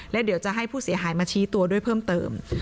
และเดี๋ยวจะให้ผู้เสียหายมาชี้ตัวด้วยเพิ่มเติม